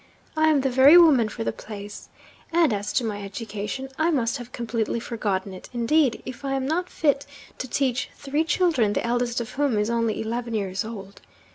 I am the very woman for the place and, as to my education, I must have completely forgotten it indeed, if I am not fit to teach three children the eldest of whom is only eleven years old.